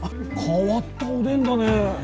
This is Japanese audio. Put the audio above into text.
変わったおでんだね。